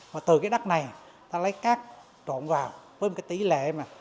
mà từ cái đất này ta lấy cát trộn vào với một cái tỷ lệ mà